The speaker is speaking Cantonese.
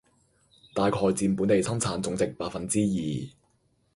大概佔本地生產總值百分之二